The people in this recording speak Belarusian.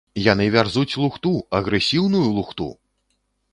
Яны вярзуць лухту, агрэсіўную лухту!